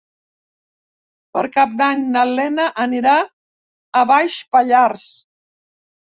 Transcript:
Per Cap d'Any na Lena anirà a Baix Pallars.